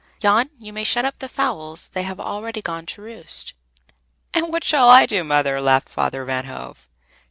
Jan, you may shut up the fowls; they have already gone to roost." "And what shall I do, Mother?" laughed Father Van Hove.